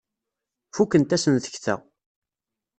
Fukent-asen tekta.